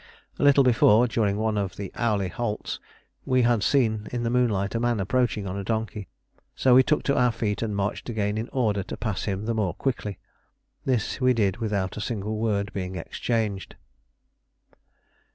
A little before, during one of the hourly halts, we had seen in the moonlight a man approaching on a donkey; so we took to our feet and marched again in order to pass him the more quickly. This we did without a single word being exchanged.